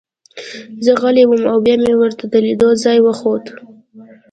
زه غلی وم او بیا مې ورته د لیدو ځای وښود